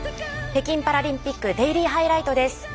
北京パラリンピックデイリーハイライトです。